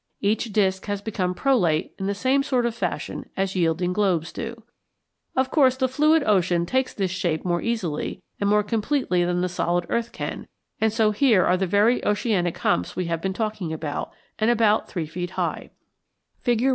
Each disk has become prolate in the same sort of fashion as yielding globes do. Of course the fluid ocean takes this shape more easily and more completely than the solid earth can, and so here are the very oceanic humps we have been talking about, and about three feet high (Fig.